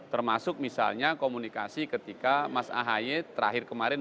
termasuk misalnya komunikasi ketika mas ahaye terakhir kemarin